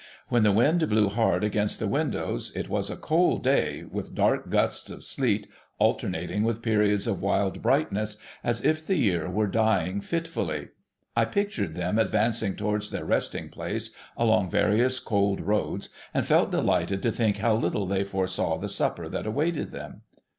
^Vhen the wind blew hard against the windows, — it was a cold day, with dark gusts of sleet alternating with periods of wild brightness, as if the year were dying fitfully, — I pictured them advancing towards their resting place along various cold roads, and felt delighted to think how little they foresaw the supper that awaited them.